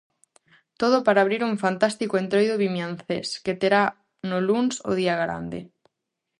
Todo para abrir un fantástico Entroido vimiancés, que terá no luns o día grande.